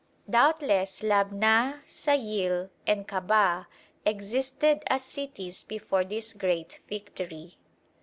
Doubtless Labna, Sayil, and Kabah existed as cities before this great victory.